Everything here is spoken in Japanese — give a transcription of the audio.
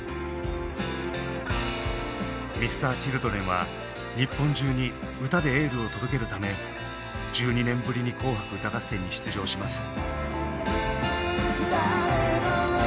Ｍｒ．Ｃｈｉｌｄｒｅｎは日本中に歌でエールを届けるため１２年ぶりに「紅白歌合戦」に出場します。